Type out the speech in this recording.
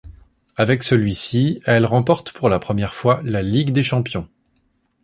Avec celui-ci, elle remporte pour la première fois la Ligue des champions.